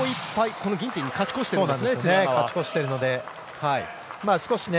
このギンティンに勝ち越してるんですね。